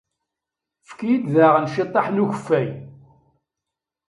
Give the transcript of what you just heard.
Efk-iyi-d daɣen ciṭṭaḥ n ukeffay.